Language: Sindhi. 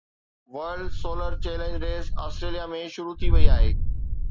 world solar challenge race Australia ۾ شروع ٿي وئي آهي